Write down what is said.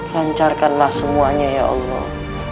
lancarkanlah semuanya ya allah